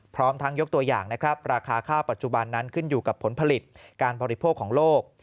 พร้อมทั้งยกตัวอย่างนะครับราคาข้าวปัจจุบันนั้นขึ้นอยู่กับผลผลิตการบริโภคของโลก